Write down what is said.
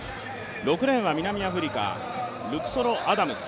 ６レーンは南アフリカルクソロ・アダムス。